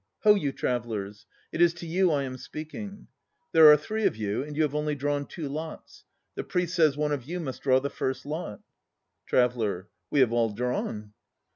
Ho, you travellers, it is to you I am speaking. There are three of you, and you have only drawn two lots. The Priest says one of you must draw the First Lot. TRAVELLER. We have all drawn.